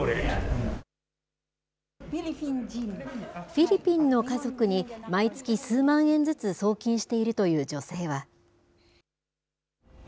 フィリピンの家族に、毎月数万円ずつ送金しているという女性は。